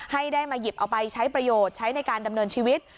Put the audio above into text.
ให้ได้มาหยิบเอาไปใช้ประโยชน์ใช้ในการดำเนินชีวิต